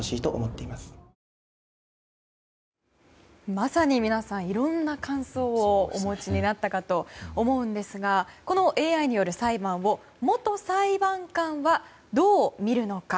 まさに皆さんいろんな感想をお持ちになったかと思うんですがこのＡＩによる裁判は元裁判官はどう見るのか。